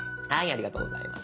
ありがとうございます。